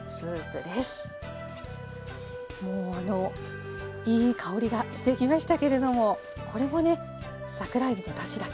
もうあのいい香りがしてきましたけれどもこれもね桜えびのだしだけで。